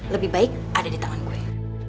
lebih baik ada di tangan gue